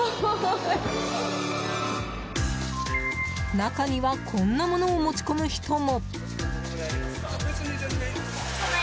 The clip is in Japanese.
中にはこんなものを持ち込む人も。